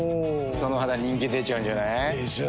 その肌人気出ちゃうんじゃない？でしょう。